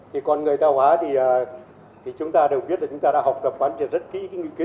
thì con người thao hóa thì chúng ta đều biết là chúng ta đã học tập văn truyền rất kỹ